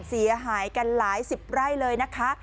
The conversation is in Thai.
เสียหายกันหลายสิบไร่เลยนะคะ